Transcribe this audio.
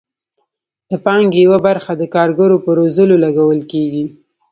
د پانګې یوه برخه د کارګرو په روزلو لګول کیږي.